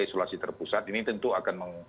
isolasi terpusat ini tentu akan